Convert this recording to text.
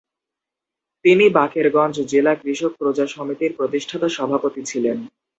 তিনি বাকেরগঞ্জ জেলা কৃষক প্রজা সমিতির প্রতিষ্ঠাতা সভাপতি ছিলেন।